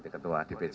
ketua di pc